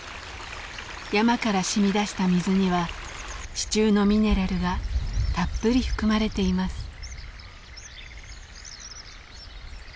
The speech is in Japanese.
山からしみ出した水には地中のミネラルがたっぷり含まれています。